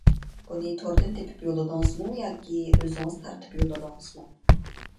بۇنى توردىن تېپىپ يوللىدىڭىزمۇ ياكى ئۆزىڭىز تارتىپ يوللىدىڭىزمۇ؟